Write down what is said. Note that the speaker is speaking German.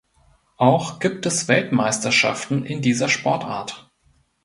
Auch gibt es Weltmeisterschaften in dieser Sportart.